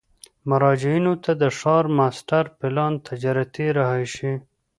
مراجعینو ته د ښار ماسټر پلان، تجارتي، رهایشي،